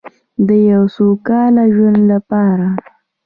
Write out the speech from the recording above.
د یو سوکاله ژوند لپاره.